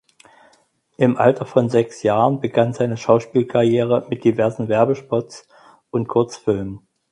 Im Alter von sechs Jahren begann seine Schauspielkarriere mit diversen Werbespots und Kurzfilmen.